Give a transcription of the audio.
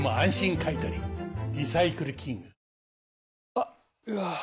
あっ、うわー。